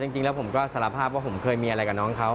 จริงแล้วผมก็สารภาพว่าผมเคยมีอะไรกับน้องเขา